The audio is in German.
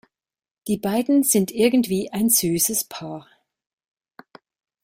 Die beiden sind irgendwie ein süßes Paar.